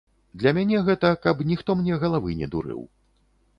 Для мяне гэта, каб ніхто мне галавы не дурыў.